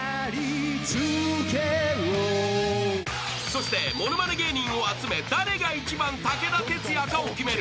［そして物まね芸人を集め誰が一番武田鉄矢かを決める